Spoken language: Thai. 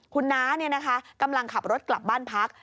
หน้าเนี่ยนะคะกำลังขับรถกลับบ้านพัก